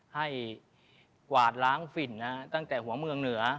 กวาดล้างฝิ่นตั้งแต่หัวเมืองเหนือ